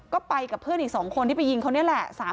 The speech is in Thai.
ก็ไปกับเพื่อนอีก๒คนที่ไปยิงเขานี่แหละ